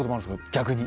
逆に。